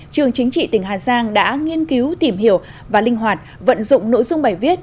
trường chính trị tỉnh hà giang đã nghiên cứu tìm hiểu và linh hoạt vận dụng nội dung bài viết